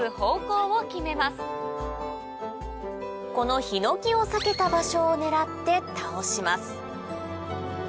このヒノキを避けた場所を狙って倒します